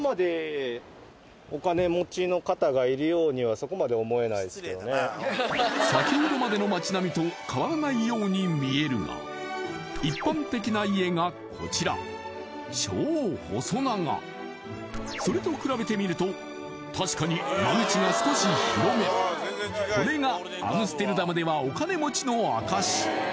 そこまで先ほどまでの街並みと変わらないように見えるが一般的な家がこちらそれとくらべてみると確かに間口が少し広めこれがアムステルダムではお金持ちの証し